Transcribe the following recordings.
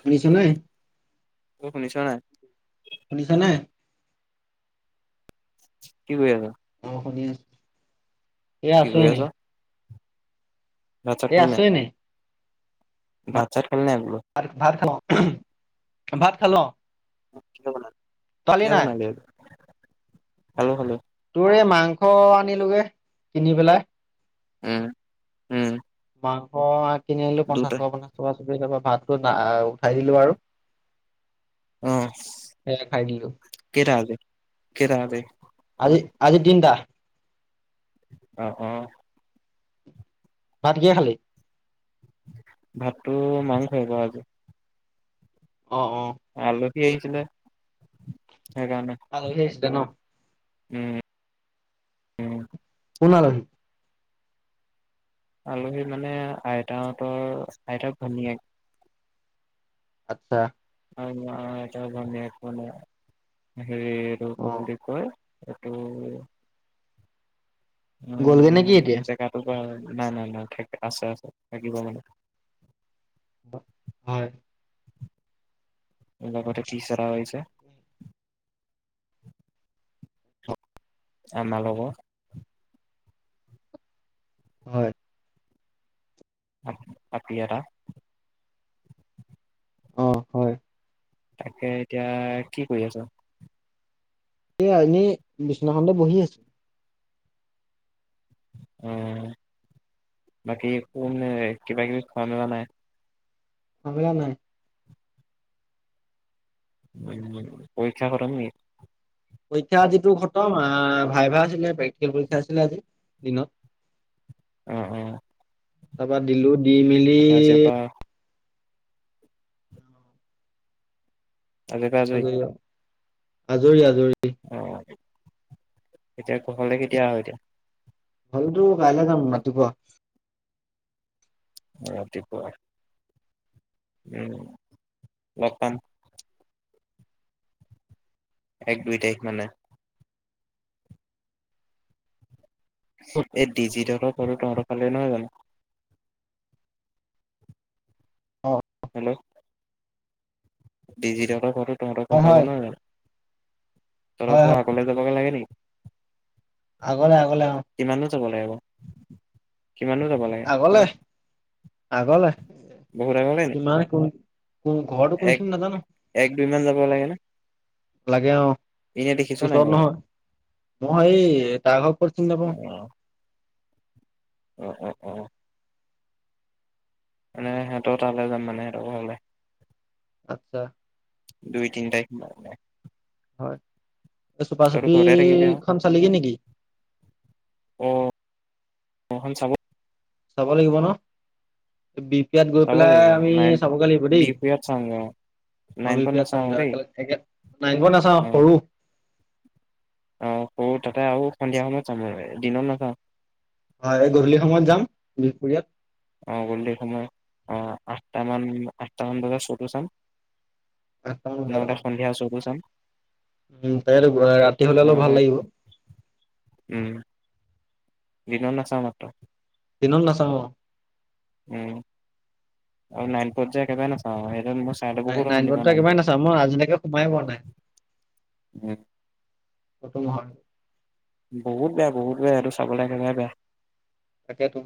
শুনিছ নাই। অ শুনিছ নাই শনিছা নাই। কি কৰি আছ অ শুনি আছো। এ কি আছো কৰি আছ এনেই। ভাত চাত এই খালি আছো নাই এনেই। ভাত চাত খালি নাই বোলো ভাত - ভাত খালো। [unintelligible] ভাত খালো অ কিহে বনালি খালি কিহে নাই। বনালি আজি খালো- খালো। এ মাংস আনিলোগে কিনি পেলাই। উম- উম মাংস। কিনিল পঞ্চাচ দুটা টকা পঞ্চা টকা ছবে তাপা। ভাতটো না উঠাই দিলো আৰু। আহ সেয়া খাই দিলো কেইটা আজি কেইটা আজি। আজি আজি তিনিটা। অহ -অহ ভাত কিয়ে খালী ভাতটো মাংস হৈ গ আজি। অঁ- অঁ সি আহিছিলে হেইকাৰনে আলহী আহিছিলে ন উম -উম কোন‌ আলহী আলহী মানে আইতাহতৰ আইতাক ভনীয়েক। আচ্ছা। আম আইতাৰ ভনিয়েক মানে হে এটো অ কি বুলি কয়। এইটো গ'লগে নে কি উম এতিয়া জেগাটো বেয়া নাই নাই নাই থ আছে আছে থাকিব মানে হয় এ লগ বতে পিচৰা হৈছে আমালব হয় আতিয়াদা [unintelligible] অ হয় তাকে এতিয়া কি কৰি আছো [unintelligible] এ এনেই বিচনাথখনটে বহি আছো উ বাকী একো মে কিবা কিবি খোৱা মেলা নাই সম নাই [unintelligible] উম পৰীক্ষা খটম নি পৰীক্ষা যিটো খতম আহ ভাই ভা আছিলে প্ৰেক্টিকেল পৰীক্ষা আছিলে আজি দিনত উম উম তাৰপা দিলো দি মেলি পৰা আ কজাই [unintelligible] আজৰি আৰু। আজৰি আজৰি অ এতিয়া ঘৰলে কেতিয়া আহ এতিয়া ভটোকাইলৈ যাম মাট পোৱাা [unintelligible] অ ৰাতিপুৱা উম লতান এক দুই তাৰিখ মানে এই ডিজি ললৰ ফল তহৰ ফালে নহয় জানো [unintelligible] অ হেল্ল' ডিজিটলৰ ঘ [unintelligible] তম খ হয় ন [unintelligible] ত হয় তো হয় হয় আগলে যাবাগে লাগে নি [unintelligible] আগলে আগলে অ লাগিব আগলে আগলে বহুত আগলে নি কিমান কোন [unintelligible] কোন ঘৰটো এক কোনখিনি নাজানো এক দুই মান যাব লাগে নে? লাগে অ এনে দেখিছ নাই ওচৰত বাৰু? নহয় মই এই তাৰ ঘৰ কৰত চি নাপাও [unintelligible] উ উম উম মানে সিহঁতৰ তালৈ যাম মানে সিহঁতৰ হলে আচ্ছা দুই তিনটাই [unintelligible] হয় এই চুপা থাকিবি আৰু চুপিখন চালিগি নেকি অখন চাব [unintelligible] চাব লাগিব ন বি পিয়াত গৈ চাব পেলাই লাগিব আমি নাইন চাবগে লাগিব দেই বিহপুৰীয়াত চাওঁগে অ অ নাইন বি পত পি আত নাচাওঁ আকৌ চামেগে দেই একেলগে একে নাই ঘৰ নাচাওঁ সৰু আহ কৰো তাতে আৰু সন্ধিয়া সময়ত জামগে ৰে দিনত নাযাওঁ হয় এই গধূলি সময়ত যাম বিহপুৰীয়াত আহ গধূলিৰ সময় আহ আঠটামান আঠটামান বজাত শ্বটো চাম নহলে সন্ধিয়া শ্বতো চাম উ [unintelligible] ৰাতি হলে অলপ নহ'লে ভাল লাগিব। উম দিনত নাচাওঁ মাত্ৰ দিনত নাচাওঁ অ উম আৰু নাইন পত যে একেবাৰে নাচাওঁ [unintelligible] নাই নাইন অশান্তি পাওঁ গডতো একেবাৰে পত নাচাওঁ মই আজিলৈকে সোমায়ে পোৱা নাই প্ৰতোমহৰ বহুত বেয়া বহুত বেয়া সেতো চাবলৈ একেবাৰে বেয়া তাকে তো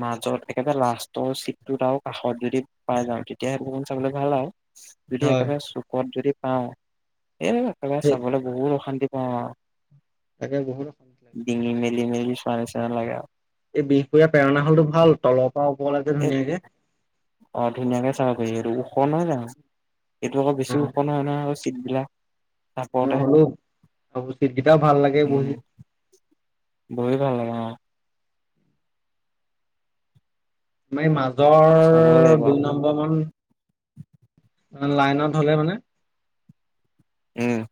মাজত একেবাৰে লাষ্টৰ চিটটোত আৰু কাষত যদি পাই যাওঁ তেতিয়াহে পহুবন চাবলৈ ভাল আৰু যদি হয় একেবাৰে চুকত যদি অঁ এই এফালে সেই চাবলৈ বহুত অশান্তি অ তাকে বহুতো অশান্তি লাগে ডিঙি মেলি চোৱা নিচিনা লাগে আ এই বিহপুৰীয়া প্ৰেৰণা হল তো ভাল তলত এই অ ধুনীয়া কে চাব পাৰিবি সেইটো কন নহয়জানো এইটো আকৌ বেছি ওখ নহয় নহয় হৈছ চিতবিলাক অ চাপৰতে, হ'লো চিট কেইটাও ভাল লাগে উ বহি বহি ভাল লাগে অ মই মাজ চাব জ্বৰ লাগিব দুই আৰু নম্বৰ মান লাইনত হলে মানে উম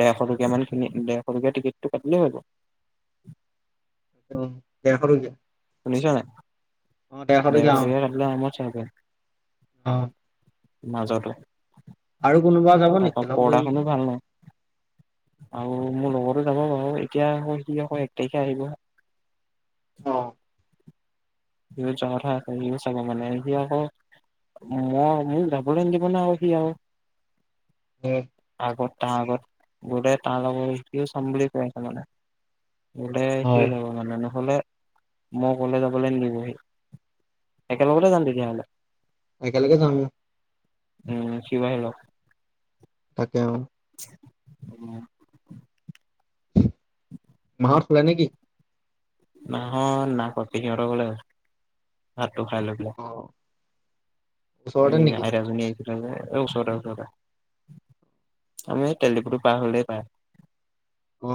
দেৰশ টকীয়া মান কিনি দেৰশ টকীয়া টিকেটটো কাটিলেই হব ওম্ দেৰশ টকিয়া শুনিছ নাই দেৰশ টকীয়া কাতিলোৱা আৰামত চাওগে অ মাজাটো আৰু কোনোবা যাব নেকি তাপা লগ ধৰিবিচোন পৰডাখনো ভাল নাই আৰু মোৰ লগত যাব বাৱ এতিয়া সহ হি আকৌ এক তাৰিখে আহিব হে [unintelligible] সি যোৱা কথা আছে সিও চাব মানে সি আকৌ মই মোক যাবলৈ নিদিব ন আৱ সি আৱ আগত তাৰ আগত গোটেই তাৰ লগৰ শিকিও চাম বুলি কৈ আছে মানে গলে হয় সিও যাব মানে নহ'লে মই কলে যাবলে নিদো একেলগতে যাম তেতিয়া হ'লে একেলগে যাম কোৱাহিলো অ তেওঁ উম ভাত খালা নেকি? নাহ না নাখোৱা পেহী হেত ঘৰলে গৈছে ভাত টো খাই লৈ পেলাই অ ওচৰতে উম নেকি আইতা জনী ওচৰতে ওচৰতে আমি তেলডিফুটো পাৰ হলেই পায় অ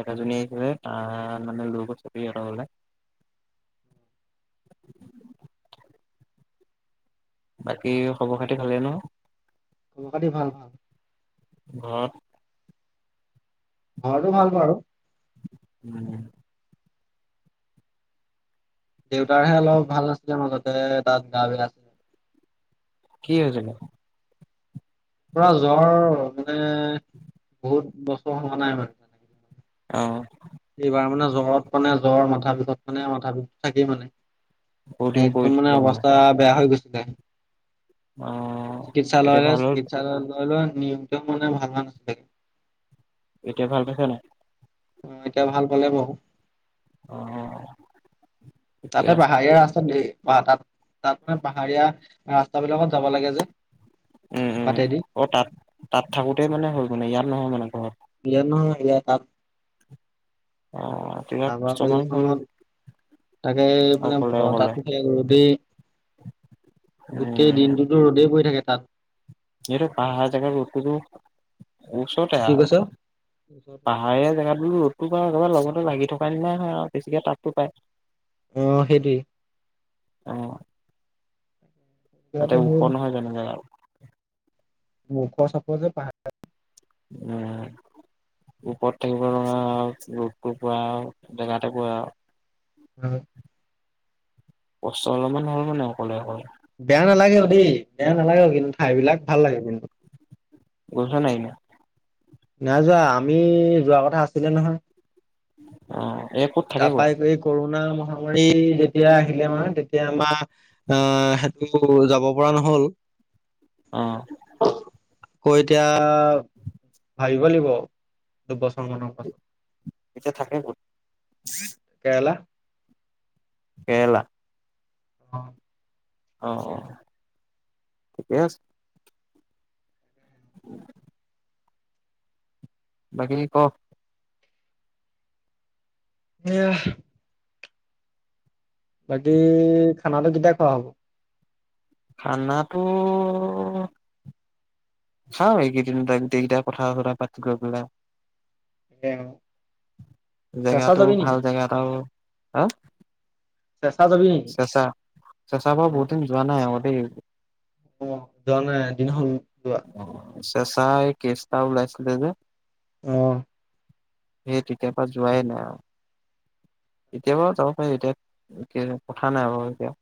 আইতা জনী আহছিলে তাৰ মানে লৈগল পেহী হেত ঘৰলে বাকী খবৰ খাতি ভালেই ন? খবৰ খাতি ভাল ভাল ঘৰত ঘৰটো ভাল বাৰু উম দেউতাৰহে অলপ ভাল নাছিলে মাজতে তাত গা বেয়া কি হৈছিলে পুৰা জ্বৰ এ বহুত বছৰ হোৱা নাই মানে অ এইবাৰ মানে জ্বৰত মানে জ্বৰ মাথা বিষত মানে মাথা বিষতো থাকেই মানে বহুত দিন একদম মানে পৰিছিলে অৱস্থা বেয়া হৈ গৈছে দে অ'। এতিয়া চিকিৎসালয়লৈ ভাল হ'ল, চিকিৎসালয়লৈ নিয়মটো মানে মানা নাছিলে এতিয়া ভাল পাইছে নাই? অ এতিয়া ভাল পালে বাউ অ', ঠিকে তাতে আছে, পাহাৰীয়া ৰাস্তাত ঢেই প তাত তাত মানে পাহাৰীয়া ৰাস্তা বিলাকত যাব লাগে যে উম উম পাতেদি অ তাত তাত থাকোতে মানে হল মান ইয়াত নহয় মানে ঘত ইয়াত নহয় ইয়াত অ', তেতিয়া ছমাহ [unintelligible] হ'ল খনত তাকে মানে অকলে অকলে তাতো ৰ'দেই গোটেই দিনটোতো ৰ'দেই পৰি থাকে। [unintelligible] এইটো পাহাৰ জগাত [unintelligible] ওচৰতে কি কৈছ? আও। পাহাৰীয়া জেগাতো ৰ'দতটো বা কাৰোবাৰ লগতো লাগি থকা নিচিনাই হয় আও। বেছিকে তাপতো পায়। অ সেইটোৱেই আহ তাতে এতিয়াতো হ'ল ওখৰ নহয়জানো জেগাও? ওখ চাপৰ যে পাহাৰ বিলাক। উম ওপৰত থাকিব লগা আও, পোৱা আও জেগাতে পৰে আও। উ [unintelligible] কষ্ট অলপমান হ'ল মানে অকলে অকলে বেয়া নালাগেও দেই বেয়া নালাগেও কিন্তু ঠাইবিলাক ভাল লাগে কিন্তু। গছ নাই ন? নাই যোৱা আমি যোৱা কথা আছিলে নহয়। আহ এ ক'ত থাকে ক'ত? কৰণা মহামাৰী যেতিয়া আহিলে আমাৰ তেতিয়া আমাৰ আহ সেইটো যাব পৰা নহ'ল। আহ। আকৌ এতিয়া ভাবিব লাগিব দুবছৰ মানৰ পাছত। এতিয়া থাকে কেৰেলা কেৰেলা। অ। অ অ ঠিকে আছে [inaudible] বাকি ক। এয়া বাকী খানাটো কেতিয়া খোৱা হ'ব? খানাটো খাওঁ এইকেইদিন গটে গোটৈইকেইটাই কথা চথা পাতি গৈ পেলাই এয়া জেগাটো ভাল জেগা এটা হা? চেঁচা যাবি নেকি? চেচা চেচা বাও বহুত দিন যোৱা নাই অ'ক দেই। অ যোৱা নাই দিনাখন দ [unintelligible] চেচা এই কেষ্টা ওলাইছিলে যে আহ। সেই তেতিয় পা যোৱাই নাই আও। এতিয় বাও যাব পাৰি এতিয়া কথা নাই বাৰু এতিয়া।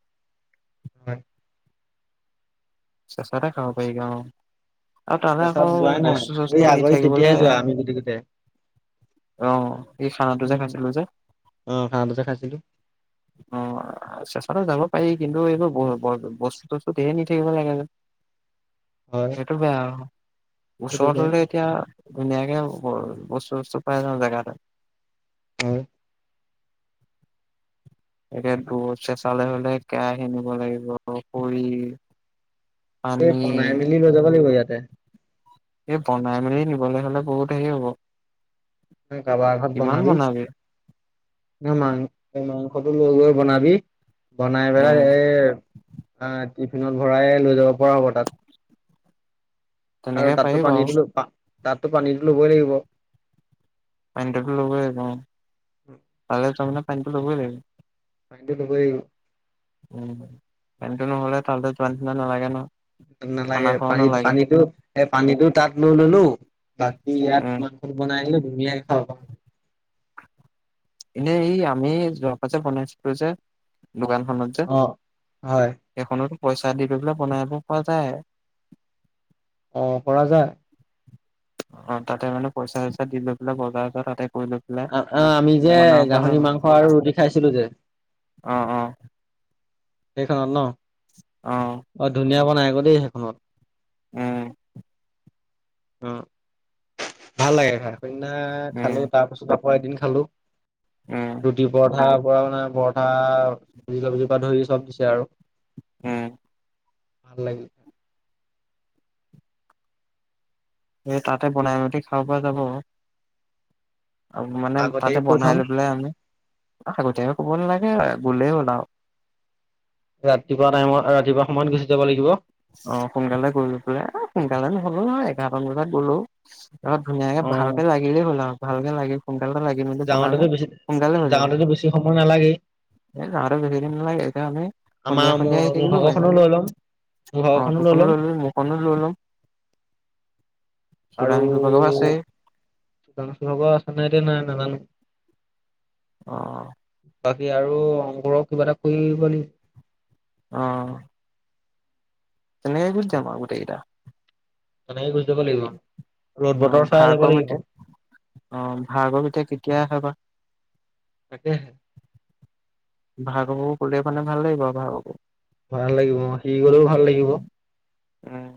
হয়। চেচাটা খাব পাই গা অ। আৰু তালে আকৌ পেছাত যোৱাই নাই বস্তু চস্তু এই নি আগয়ি থাকিবলৈ তেতিয়াই যোৱা আমি গোটেই কিটাই। অ। এই খানাটো উম যে খাইছিলো যে উম খানটো যে খাইছিলো। অ আচ্ছা চবেতো যাব পায়ি। কিন্তু এইবোৰ [inaudible] বস্তুত। তেহে নি থাকিব লাগে যে। হয়, সেইটো বেয়া। সেইটো ওচৰত বাৰু হলেএতিয়া। ধুনীয়াকে ব বস্তু বস্তু পাই যাওঁ জেগাতে। হয়। একে দূৰত চেচালে হলে কেয়াহি নিব লাগিব খৰি। এই পানী বনাই মেলি লৈ যাব লাগিব ইয়াতে। এই বনাই মেলি নিবলৈ হলে বহুত হেৰি হ'ব। কাৰাবাৰ ভাত বনাবি ন মাং মা। সতো লৈ গৈ বনাবি। বনাইবেলাই উম এ অ। টিফিনত ভৰাই লৈ যাব পৰা হ'ব তাত। তেনেকে আৰু পাৰি তাততো বাৰু পানীটোলো। তাততো পানীতো লবই লাগিব। পানী টো ত লবই লাগিব। পালে তামেনে। পানীটো ল'বই লাগে। [inaudible] টো লবই। [inaudible] উম পানীটো নহ'লে তাল যোৱা নিচিনা নালাগে ন। খানা নালাগে খোৱাও পানী নালাগে পানীটো এই পানীটো তাত লৈ ললো বাকী ইয়াত উম মাংস বনাইলো। কুমীয়া খাবা। এনেই ই আমি যোৱা পা যে বনাইছিলো যে। দোকানখনত যে অ হয় এখনো। পইচা দি পৈ পেললে বনাব পৰা যায়। অ পৰা যায়। অ তাতে মানে পইচা চইচা দি লৈ পেলাই বজাৰ তাতে। কৰি লৈ পেলাই আআ মি। যে বনাব পৰা যাব গাহৰি মাংস আৰু ৰুটি খাইছিলো যে। অ অ সেইখনত ন অ ধুনীয়াবন নাই কও দেই সেইখনত উম অ। ভাল লাগে খাই সেইদিনা উম খালো তাৰ পাছত। আকৌ এদিন খালো। উম ৰুটি পৰঠা। পৰা মানে পৰঠা পুৰি চবজি পা ধৰি চব। ছে আৰু। উ'ম। ভাল লাগি। এই তাতে বনাই মেলি খাব পৰা যাব। আৰু মানে আগতে তাতে কৈ বনাই থম লৈ পেলাই আমি আগতীয়া। ক'ব নালাগে এ গলেই হ'ল আও। ৰাতিপুৱা টাইমত ৰাতিপুৱা সময়ত গুচি যাব লাগিব। অ সোনকালে গৈ পেলাই সোনকালে নহলো হয় এঘাৰটামান বজাত গলো। ৰদ ধুনীয়াকে অ ভালকে লাগিলেই হ'ল আও। ভালকে লাগে চুন। ভালকে লাগি মেলি বনালে যাওঁতেতো বেছি সোনকালে হৈ যাব যাওঁতেতো বেছি সময় নালাগেই আৰু বেছি দিন নালাগে এতিয়া আমি আমাৰ সন্ধিয়া মোৰ সন্ধিয়া আহি মোৰ থাকিলো পাৰিম। ভাগৰখনো লৈ ল'ম মোৰ অ ভাগৰখনো তোৰখনো ল'ম লৈ লবি মোৰখনো লৈ লম চউদাং দিবলো আছে। দোকান চভক আছে নাই এতিয়া নাই নাজানো। অ বাকী আৰু অংকৰুৰৰ কিবা এটা কৰিব লি। অহ। তেনেকে গুচ যাম আও গোটেই কেইটা। তেনেকে কৈ। অ ভাৰ্গৱ লাগিব এতিয়া অহ ভাৰ্গৱ এতিয়া কেতিয়া আহে বা। তাকেহে। ভাৰ্গকো কলে মানে ভাল লাগিব আও ভাৰ্গকো। ভাল লাগিব সি গলেও ভাল লাগিব। উম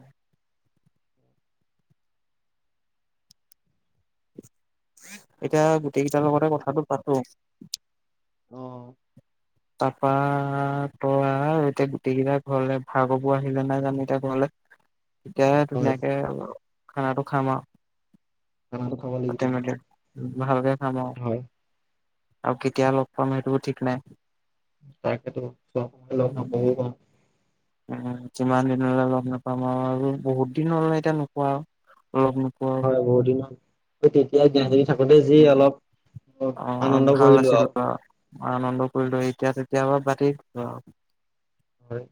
এতিয়া গোটেই কেইটাৰ লগতে কথাটো পাতো। অ। তাপা তই আহ এতিয়া গোটেই কেইটা ঘৰলে ভাৰ্গবো আহিলে নাই জানো এতিয়া ঘৰলে। তেতিয়াহে হয় ধুনীয়াকে অল। খানাটো খামা আউ। তেনেকে খাব লাগিব অ। ভালকে। খাম আও। আৰু কেতিয়া লগ পাম সেইটোও ঠিক নাই। তাকেতো লগ পালে কবই বা। যিমান দিনলৈ লগ নাপাম আৰু আৰু বহুত দিন হলে এতিয়া নোপোৱা আৰু। লগ নোপোৱা আৰু। হয় বহুত দিন সেই তেতিয়াই উম। জ্ঞানজীৱীত থাকোতে যি অলপ। অ আনন্দ ভাল কৰিলো আছিলো আৰু অ আনন্দ কৰিলো এতিয়া কেতিয়াবা পাৰ্টি হব আও হয়